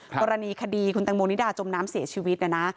กรณีคดีคุณแตงโมนิดาจมน้ำเสียชีวิตนะนะ